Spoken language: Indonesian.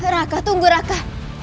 raka tunggu raka